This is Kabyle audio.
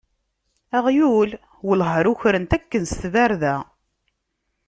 Aɣyul? Welleh ar ukren-t akken s tbarda!